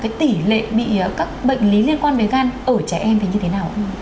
cái tỷ lệ bị các bệnh lý liên quan với gan ở trẻ em thì như thế nào không ạ